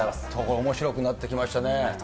おもしろくなってきましたね。